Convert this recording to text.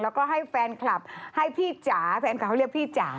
แล้วก็ให้แฟนคลับให้พี่จ๋าแฟนคลับเขาเรียกพี่จ๋า